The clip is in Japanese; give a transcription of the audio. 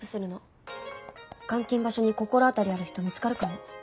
監禁場所に心当たりある人見つかるかも。